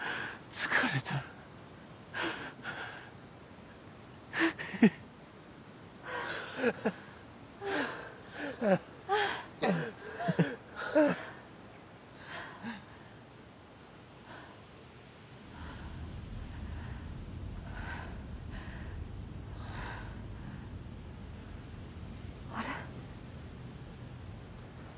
疲れたあれ？